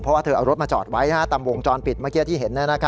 เพราะว่าเธอเอารถมาจอดไว้ตามวงจรปิดเมื่อกี้ที่เห็น